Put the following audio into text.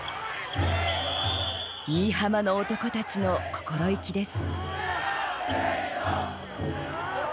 新居浜の男たちの心意気です。